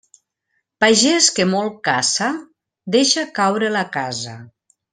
Pagés que molt caça deixa caure la casa.